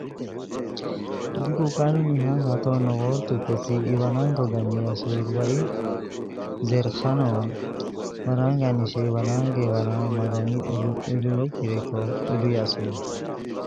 بیکو کانو نہنگ ہتو نوغورتوپیڅھیکو ای ورانگو گانی اسور وا ای زیرخانو، ورانگہ نیشی ورانگیئے ورانگ مہ گانی اولویکی ریکو اولی اسور